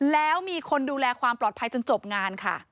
แล้วมีคนดูแลความปลอดภัยจนจบงานค่ะ